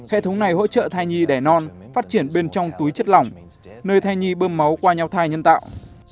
hệ thống này hỗ trợ thai nhi đẻ non phát triển bên trong túi chất lỏng nơi thai nhi bơm máu qua nhau thai nhân tạo